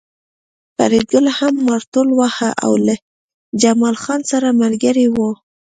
فریدګل هم مارتول واهه او له جمال خان سره ملګری و